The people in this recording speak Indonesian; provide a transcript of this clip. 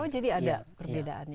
oh jadi ada perbedaannya